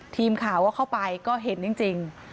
ทีมข่าวก็เข้าไปก็เห็นจริง